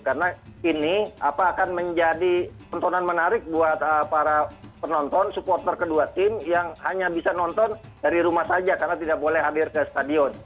karena ini apa akan menjadi penontonan menarik buat para penonton supporter kedua tim yang hanya bisa nonton dari rumah saja karena tidak boleh hadir ke stadion